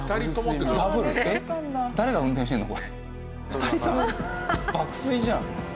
２人とも爆睡じゃん。